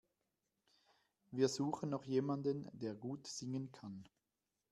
Wir suchen noch jemanden, der gut singen kann.